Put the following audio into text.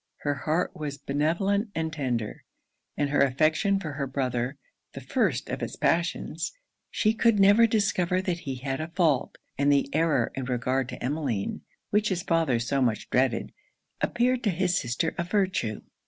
Her heart was benevolent and tender; and her affection for her brother, the first of it's passions. She could never discover that he had a fault; and the error in regard to Emmeline, which his father so much dreaded, appeared to his sister a virtue.